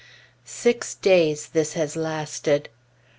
Six days this has lasted.